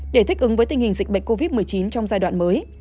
để thích ứng với tình hình dịch bệnh covid một mươi chín trong giai đoạn mới